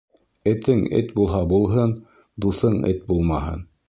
Этең эт булһа булһын, дуҫың эт булмаһын.